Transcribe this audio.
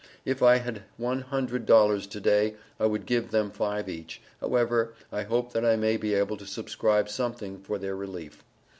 if I had one hundred dollars to day I would give them five each, however I hope that I may be able to subscribe something for their Relefe.